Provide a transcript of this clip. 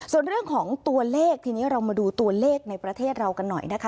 ส่วนเรื่องของตัวเลขทีนี้เรามาดูตัวเลขในประเทศเรากันหน่อยนะคะ